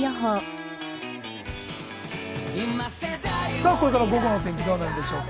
さあ、これから午後の天気はどうなるでしょうか？